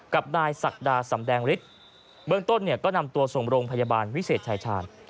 กับนายศักดาสำแดงฤทธิ์เบื้องต้นเนี่ยก็นำตัวส่งโรงพยาบาลวิเศษชายชาญ